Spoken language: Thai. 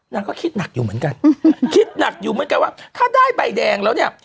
นางก็คิดหนักอยู่เหมือนกันคิดหนักอยู่เหมือนกันว่าถ้าได้ใบแดงแล้วเนี่ย